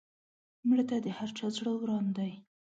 مړه ته د هر چا زړه وران دی